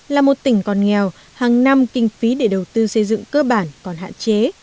là một tỉnh còn nghèo hàng năm kinh phí để đầu tư xây dựng cơ bản còn hạn chế